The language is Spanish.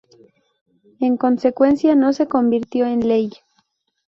En consecuencia, no se convirtió en ley.